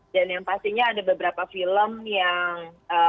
dan yang pastinya ada beberapa film yang